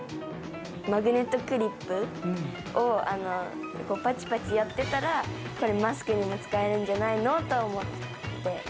マグネットクリップをこう、ぱちぱちやってたら、これマスクにも使えるんじゃないの？と思って。